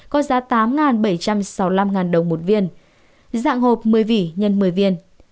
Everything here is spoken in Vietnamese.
có giá tám bảy trăm sáu mươi năm đồng một viên dạng hộp một mươi vỉ x một mươi viên